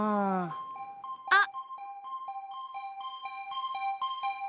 あっ！